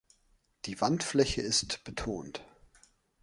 Die Wandfläche ist betont.